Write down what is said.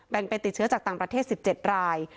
เป็นติดเชื้อจากต่างประเทศ๑๗ราย